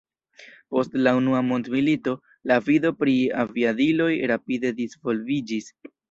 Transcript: Post la unua mondmilito, la vido pri aviadiloj rapide disvolviĝis.